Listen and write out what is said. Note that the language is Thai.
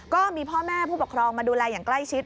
ก็มีพ่อแม่ผู้ปกครองมาดูแลอย่างใกล้ชิด